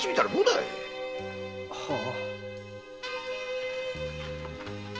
はあ。